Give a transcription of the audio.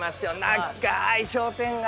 長い商店街！